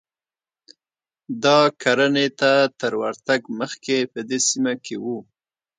دا کرنې ته تر ورتګ مخکې په دې سیمه کې و